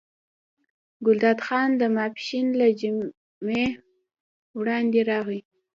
ګلداد خان د ماسپښین له جمعې وړاندې راغی.